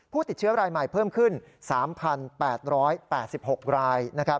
ติดเชื้อรายใหม่เพิ่มขึ้น๓๘๘๖ราย